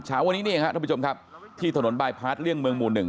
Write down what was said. เช้าวันนี้นี่เองครับท่านผู้ชมครับที่ถนนบายพาร์ทเลี่ยงเมืองหมู่หนึ่ง